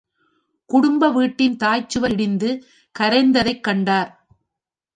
குடும்ப வீட்டின் தாய்ச் சுவர் இடிந்து கரைந்ததைக் கண்டார்.